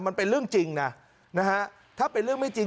มันเป็นเรื่องจริงนะนะฮะถ้าเป็นเรื่องไม่จริง